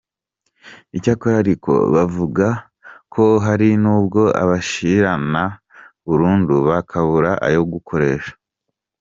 Icyakora ariko bavuga ko hari n’ubwo abashirana burundu bakabura ayo gukoresha.